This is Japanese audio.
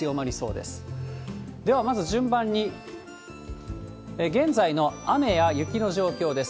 では、まず順番に、現在の雨や雪の状況です。